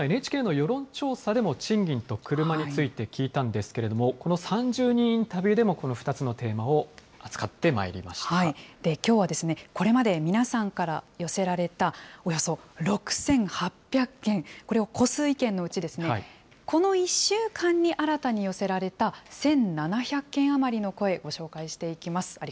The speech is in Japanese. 今、ＮＨＫの世論調査でも、賃金とクルマについて聞いたんですけれども、この３０人インタビューでも、この２つのテーマを扱ってきょうは、これまで皆さんから寄せられたおよそ６８００件、これを超す意見のうち、この１週間に新たに寄せられた１７００件余りの超え、ご紹介していきます。